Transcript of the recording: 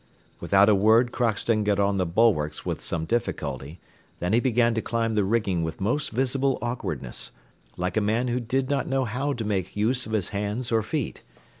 Without a word, Crockston got on the bulwarks with some difficulty; then he began to climb the rigging with most visible awkwardness, like a man who did not know how to make use of his hands or feet.